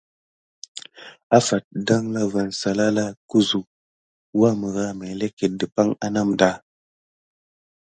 Afate dangla van salala kuzuk wamərah meleket dəpaŋk a namda.